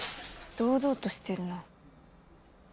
堂々としてるな。